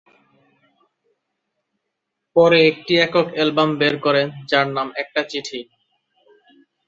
পরে একটি একক অ্যালবাম বের করেন যার নাম ‘একটা চিঠি’।